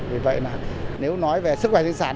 vì vậy là nếu nói về sức khỏe di sản